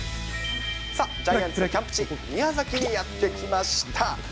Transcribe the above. さあ、ジャイアンツのキャンプ地、宮崎にやって来ました。